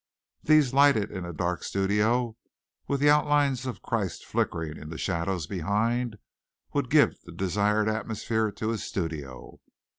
These lighted in a dark studio, with the outlines of the Christ flickering in the shadows behind would give the desired atmosphere to his studio.